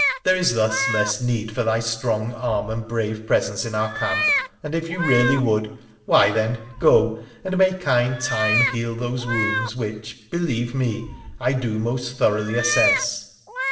There is thus less need for thy strong arm and brave presence in our camp, and if you really would — why then, go, and may kind time heal those wounds which, believe me, I do most thoroughly assess.'